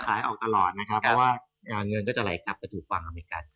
เพราะว่างานเงินก็จะไหลกลับไปถูกฟังครับ